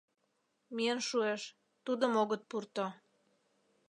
Миен шуэш, тудым огыт пурто.